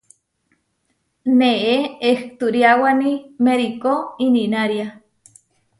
Neé ehturiáwani merikó ininária.